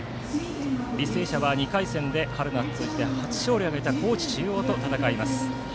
履正社は２回戦で春夏通じて初勝利を挙げた高知中央と戦います。